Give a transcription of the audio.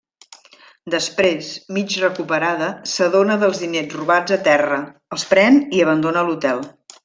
Després, mig recuperada, s'adona dels diners robats a terra, els pren i abandona l'hotel.